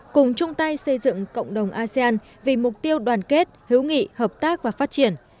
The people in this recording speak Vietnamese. cùng chung tay xây dựng cộng đồng asean vì mục tiêu đoàn kết hữu nghị hợp tác và phát triển